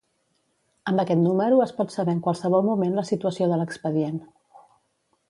Amb aquest número es pot saber en qualsevol moment la situació de l'expedient.